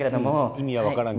意味は分からんけど。